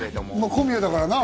小宮だからな。